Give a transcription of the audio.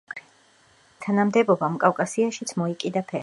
მელიქის თანამდებობამ კავკასიაშიც მოიკიდა ფეხი.